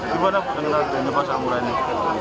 gimana pengenaliannya pasar murah ini